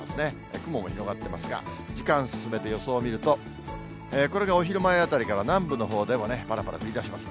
雲も広がってますが、時間進めて予想を見ると、これがお昼前あたりから南部のほうでもね、ぱらぱら降りだします。